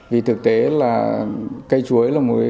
vì thực tế là cây chuối là một cây